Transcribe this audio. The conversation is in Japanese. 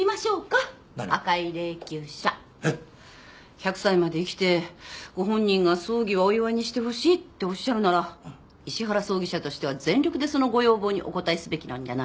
１００歳まで生きてご本人が葬儀はお祝いにしてほしいっておっしゃるなら石原葬儀社としては全力でそのご要望にお応えすべきなんじゃないの？